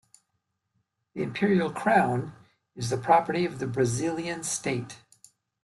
The Imperial Crown is the property of the Brazilian State.